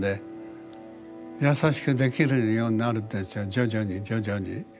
徐々に徐々に。